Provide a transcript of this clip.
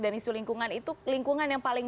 dan isu lingkungan itu lingkungan yang paling